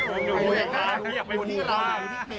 มูไหมล่ะคะมูอยากไปฟูเวลา